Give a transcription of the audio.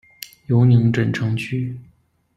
尤宁城镇区。